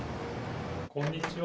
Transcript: こんにちは。